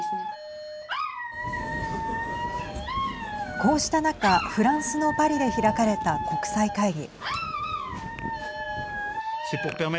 こうした中、フランスのパリで開かれた国際会議。